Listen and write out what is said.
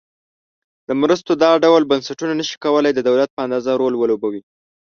د مرستو دا ډول بنسټونه نشي کولای د دولت په اندازه رول ولوبوي.